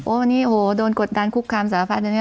โอ้วววันนี้โฮโดนกฎดัญคุกคำสารภาษณ์